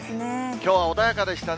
きょうは穏やかでしたね。